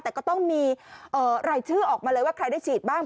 แต่ก็ต้องมีรายชื่อออกมาเลยว่าใครได้ฉีดบ้าง